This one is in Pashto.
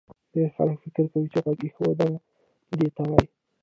ډېری خلک فکر کوي چې غوږ ایښودنه دې ته وایي